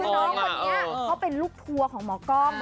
น้องคนนี้เขาเป็นลูกทัวร์ของหมอกล้อง